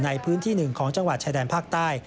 ในพื้นที่หนึ่งของจังหวัดชายแดนภาคใต้